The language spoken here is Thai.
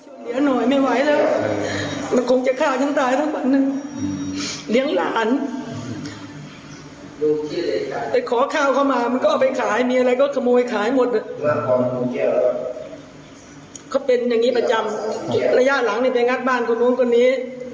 อุหรษก็เชื่อว้ายประจ่ำระยะหลังนี่ไปี่งัดบ้านคุณคุณตัวนี้